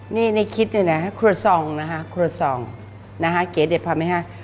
นี่ในคลิปเนี่ยนะฮะเก๋เด็ดพอไหมฮะ